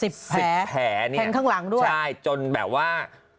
๑๐แผลแผลข้างหลังด้วยใช่จนแบบว่า